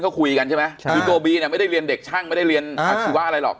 ก็คุยกันใช่ไหมใช่คือตัวบีเนี่ยไม่ได้เรียนเด็กช่างไม่ได้เรียนอาชีวะอะไรหรอก